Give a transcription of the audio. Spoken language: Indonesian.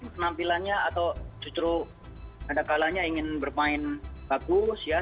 penampilannya atau justru ada kalanya ingin bermain bagus ya